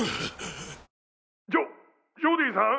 ジョジョディさん！